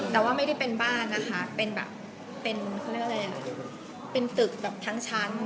แต่ว่าไม่ได้เป็นบ้านนะคะเป็นตึกแบบทั้งชั้น